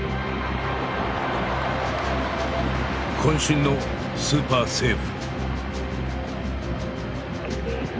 渾身のスーパーセーブ。